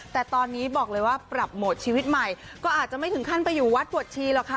แต่ตอนนี้บอกเลยว่าปรับโหมดชีวิตใหม่ก็อาจจะไม่ถึงขั้นไปอยู่วัดบวชชีหรอกค่ะ